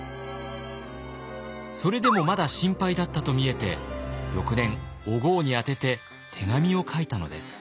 それでもまだ心配だったと見えて翌年お江に宛てて手紙を書いたのです。